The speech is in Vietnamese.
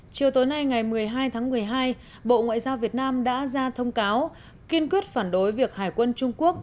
chiều tối nay ngày một mươi hai tháng một mươi hai bộ ngoại giao việt nam đã ra thông cáo kiên quyết phản đối việc hải quân trung quốc